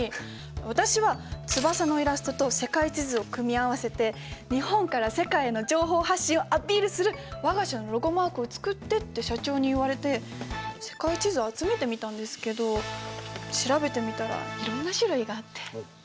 私は翼のイラストと世界地図を組み合わせて日本から世界への情報発信をアピールする我が社のロゴマークを作ってって社長に言われて世界地図を集めてみたんですけど調べてみたらいろんな種類があって。